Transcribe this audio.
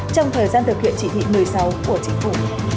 trong thời gian thực hiện chỉ thị một mươi sáu của chính phủ